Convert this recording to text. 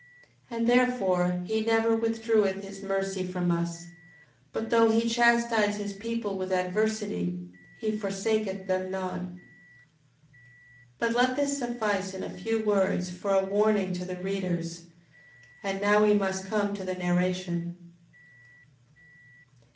6:16. And therefore he never withdraweth his mercy from us: but though he chastise his people with adversity he forsaketh them not. 6:17. But let this suffice in a few words for a warning to the readers. And now we must come to the narration.